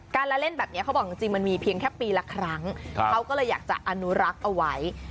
การละเล่นแบบนี้เขาบอกจริงมันมีเพียงแค่ปีละครั้งเขาก็เลยอยากจะอนุรักษ์เอาไว้